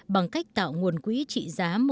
bằng cách tạo nguồn quỹ trị giá một tỷ ruby